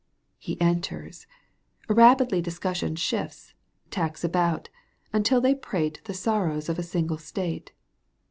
He enters : rapidly discussion Shifts, tacks about, until they prate The sorrows of a single state.